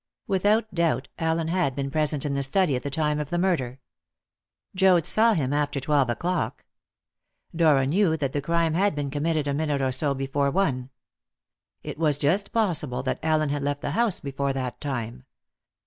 Without doubt Allen had been present in the study at the time of the murder. Joad saw him after twelve o'clock. Dora knew that the crime had been committed a minute or so before one. It was just possible that Allen had left the house before that time.